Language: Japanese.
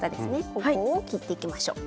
ここを切っていきましょう。